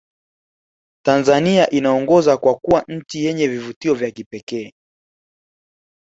tanzania inaongoza kwa kuwa nchi yenye vivutio vya kipekee